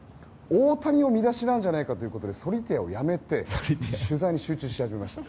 大谷の見出しなんじゃないかとソリティアをやめて取材に集中し始めました。